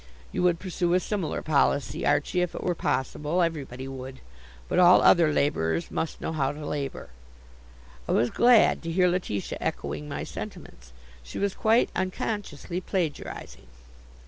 You would pursue a similar policy, Archie, if it were possible. Everybody would. But all other laborers must know how to labor." I was glad to hear Letitia echoing my sentiments. She was quite unconsciously plagiarizing.